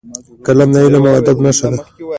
قلم د علم او ادب نښه ده